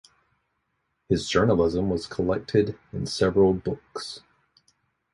His journalism was collected in several books.